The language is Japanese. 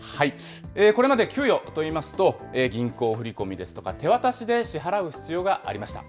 これまで給与といいますと、銀行振り込みですとか手渡しで支払う必要がありました。